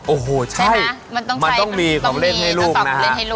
โอ้โหใช่มันต้องมีของเล่นให้ลูกนะฮะ